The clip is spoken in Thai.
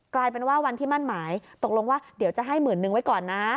กลายเป็นว่าวันที่มั่นหมายตกลงว่าเดี๋ยวจะให้หมื่นนึงไว้ก่อนนะ